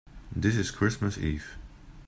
This is Christmas Eve.